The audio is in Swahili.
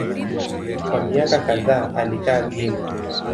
Kwa miaka kadhaa alikaa Guinea.